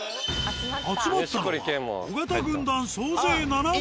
集まったのは尾形軍団総勢７名。